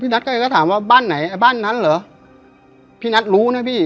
นัทก็ถามว่าบ้านไหนบ้านนั้นเหรอพี่นัทรู้นะพี่